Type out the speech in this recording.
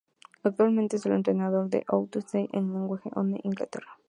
Actualmente es el entrenador del Southend United de la League One de Inglaterra.